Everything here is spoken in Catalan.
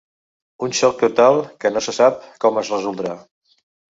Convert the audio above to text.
Un xoc total que no sé sap com es resoldrà.